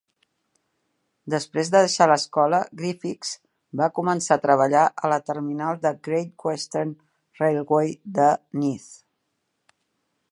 Després de deixar l'escola, Griffiths va començar a treballar a la terminal de Great Western Railway de Neath.